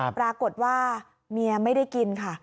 ปรากฏว่าเมียไม่ได้กินค่ะ